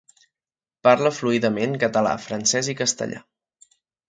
Parla fluidament català, francès i castellà.